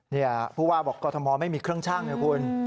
นี่ผู้ว่าบอกกรทมไม่มีเครื่องชั่งนะคุณ